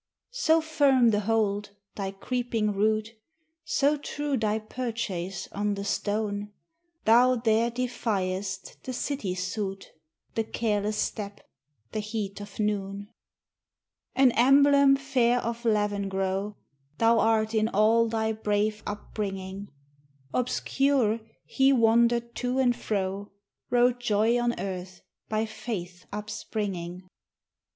So firm the hold, thy creeping root, So true thy purchase on the stone, Thou there defiest the city soot, The careless step, the heat of noon. An emblem fair of Lavengro, Thou art in all thy brave upbringing; Obscure, he wandered to and fro, Wrote joy on earth by faith upspringing.